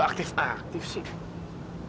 gua aktif aktif sih